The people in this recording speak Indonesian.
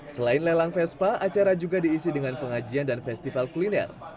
selain lelang vespa acara juga diisi dengan pengajian dan festival kuliner